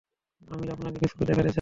আমি আপনাকে কিছু দেখাতে চাই।